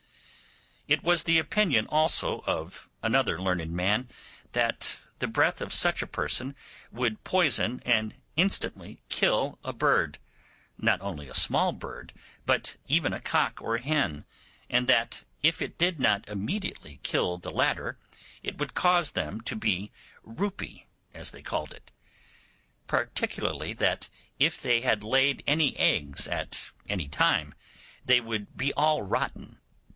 It was the opinion also of another learned man, that the breath of such a person would poison and instantly kill a bird; not only a small bird, but even a cock or hen, and that, if it did not immediately kill the latter, it would cause them to be roupy, as they call it; particularly that if they had laid any eggs at any time, they would be all rotten.